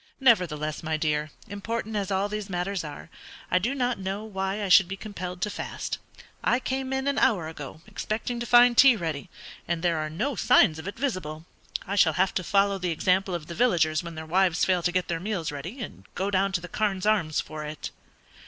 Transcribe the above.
"Nevertheless, my dear, important as all these matters are, I do not know why I should be compelled to fast. I came in an hour ago, expecting to find tea ready, and there are no signs of it visible. I shall have to follow the example of the villagers when their wives fail to get their meals ready, and go down to the 'Carne's Arms' for it."